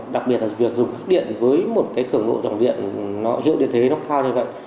đặc biệt là việc dùng các điện với một cái cửa ngộ dòng điện nó hiệu điện thế nó cao như vậy